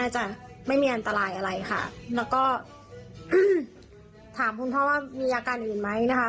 จะไม่มีอันตรายอะไรค่ะแล้วก็ถามคุณพ่อว่ามีอาการอื่นไหมนะคะ